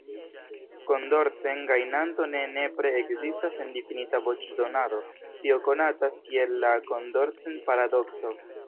Kondorcet-gajnanto ne nepre ekzistas en difinita voĉdonado, tio konatas kiel la Kondorcet-paradokso.